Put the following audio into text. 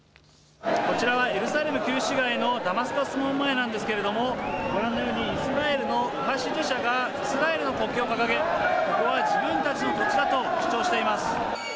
こちらはエルサレム旧市街のダマスカス門前なんですけれどもご覧のようにイスラエルの右派支持者がイスラエルの国旗を掲げ、ここは自分たちの土地だと主張しています。